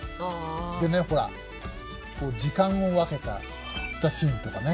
でねほら時間を分けたシーンとかね。